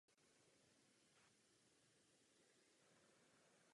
Z počátku byly tyto protokoly proprietární.